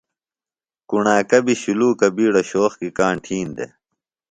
کݨاکہ بیۡ شُلوکہ بیڈہ شوق کی کاݨ تھین دےۡ